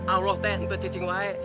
allah teh ntar cacing wae